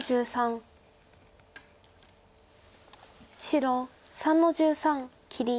白３の十三切り。